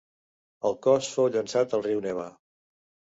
El cos fou llançat al riu Neva.